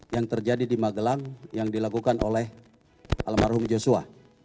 yang terjadi di magelang yang dilakukan oleh almarhum joshua